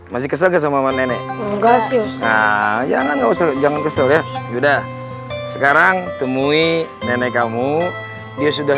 masih kesel sama nenek enggak sih jangan jangan kesel ya udah sekarang temui nenek kamu dia sudah